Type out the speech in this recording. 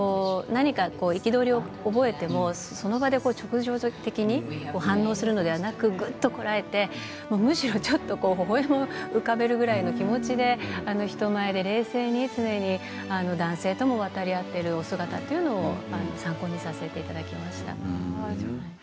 憤りを覚えてもその場で直情的に反応するべきではなくてぐっとこらえてむしろちょっとほほえみを浮かべるぐらいの気持ちでいかに冷静に男性とも渡り合っているお姿というのを参考にさせていただきました。